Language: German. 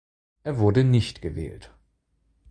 Er wurde nicht gewählt.